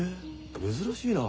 珍しいなあ。